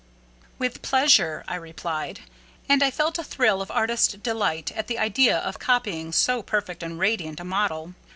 "With pleasure," I replied; and I felt a thrill of artist delight at the idea of copying from so perfect and radiant a model.